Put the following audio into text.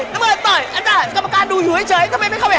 หุ้กขวาหุ้กไปแล้วนะครับตอนนี้